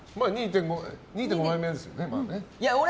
２．５枚目ですよね。